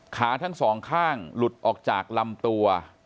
ขาทั้งสองข้างหลุดออกจากลำตัว